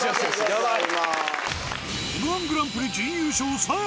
やばい。